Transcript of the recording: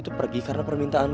buat gue dapet pemasukan